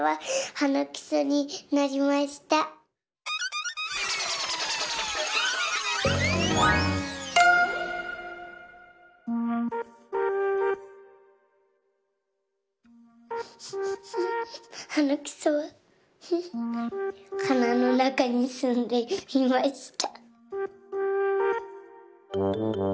はなくそははなのなかにすんでいました。